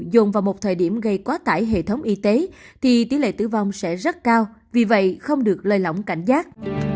dồn vào một thời điểm gây quá tải hệ thống y tế thì tỷ lệ tử vong sẽ rất cao vì vậy không được lơi lỏng cảnh giác